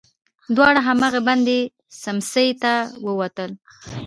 دواړه هماغې بندې سمڅې ته ووتل.